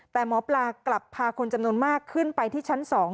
แต่หมอปลากลับพาคนจำนวนมากขึ้นไปที่ชั้น๒